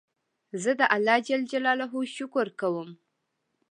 زه د الله جل جلاله شکر کوم.